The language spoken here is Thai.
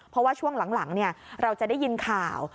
เพราะว่าช่วงหลังเราจะได้ยินข่าว